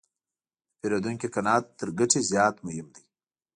د پیرودونکي قناعت تر ګټې زیات مهم دی.